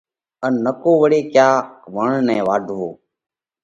ان نڪو وۯي ڪياڪ وڻ نئہ واڍوو۔